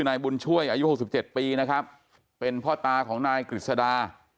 นายบุญช่วยอายุหกสิบเจ็ดปีนะครับเป็นพ่อตาของนายกฤษดา